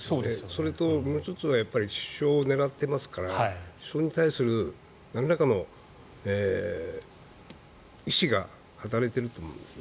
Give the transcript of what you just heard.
それともう１つは首相を狙ってますから首相に対するなんらかの意思が働いていると思うんです。